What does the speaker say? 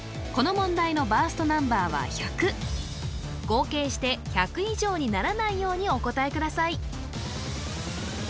この問題のバーストナンバーは１００合計して１００以上にならないようにお答えください